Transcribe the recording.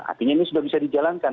artinya ini sudah bisa dijalankan